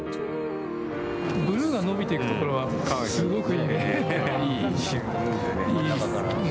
ブルーが伸びていくところはすごくいいね。